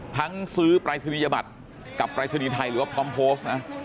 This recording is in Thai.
ทั้งซื้อปรัยสสมิยบัตรกับปรายสสมิยไทยหรือว่าพร้อมโพสต์นะ